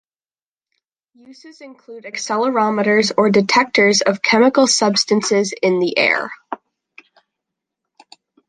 Uses include accelerometers, or detectors of chemical substances in the air.